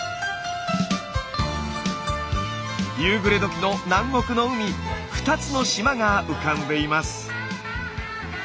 夕暮れ時の南国の海２つの島が浮かんでいます。